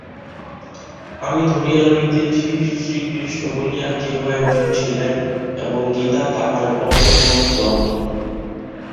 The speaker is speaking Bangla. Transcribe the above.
আমি ধরিয়া লইতেছি, শ্রীকৃষ্ণ বলিয়া কেহ একজন ছিলেন এবং গীতা তাঁহার অপূর্ব গ্রন্থ।